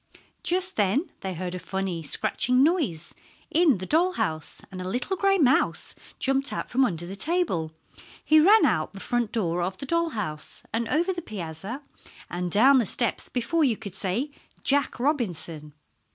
Just then they heard a funny, scratching noise in the doll house, and a little gray mouse jumped out from under the table. He ran out the front door of the doll house, and over the piazza, and down the steps before you could say "Jack Robinson."